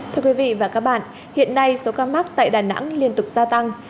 thưa quý vị và các bạn hiện nay số ca mắc tại đà nẵng liên tục gia tăng